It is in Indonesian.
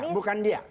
saya bukan dia